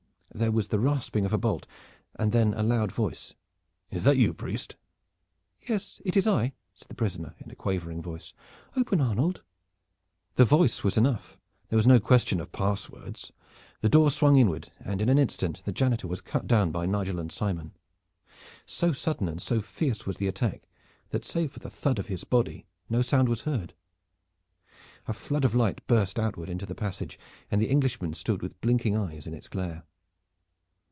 There was the rasping of a bolt and then a loud voice "Is that you, priest?" "Yes, it is I," said the prisoner in a quavering voice. "Open, Arnold!" The voice was enough. There was no question of passwords. The door swung inward, and in an instant the janitor was cut down by Nigel and Simon. So sudden and so fierce was the attack that save for the thud of his body no sound was heard. A flood of light burst outward into the passage, and the Englishmen stood with blinking eyes in its glare.